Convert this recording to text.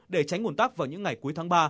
để tránh ủn tắc vào những ngày cuối tháng ba